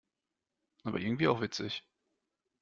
Aber irgendwie auch witzig.